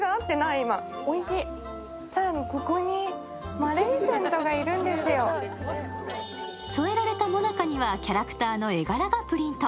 更にここにマレフィセントがいるんですよ。添えられたもなかにはキャラクターの絵柄がプリント。